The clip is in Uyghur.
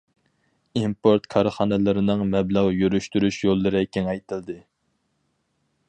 ئىمپورت كارخانىلىرىنىڭ مەبلەغ يۈرۈشتۈرۈش يوللىرى كېڭەيتىلدى.